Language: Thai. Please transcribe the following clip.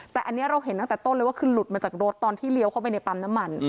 แต่อันนี้เราเห็นตั้งแต่ต้นเลยว่าคือหลุดมาจากรถตอนที่เลี้ยวเข้าไปในปั๊มน้ำมัน